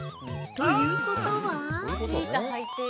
ということは！